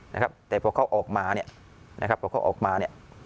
นะครับแต่พอเขาออกมาเนี่ยนะครับพอเขาออกมาเนี่ย